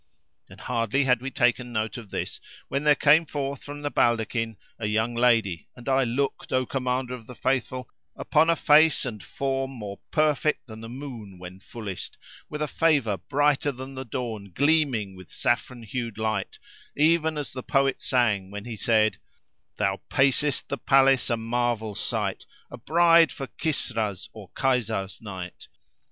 And hardly had we taken note of this when there came forth from the baldaquin a young lady and I looked, O Commander of the Faithful, upon a face and form more perfect than the moon when fullest, with a favour brighter than the dawn gleaming with saffron hued light, even as the poet sang when he said— Thou pacest the palace a marvel sight, * A bride for a Kisra's or Kaisar's night!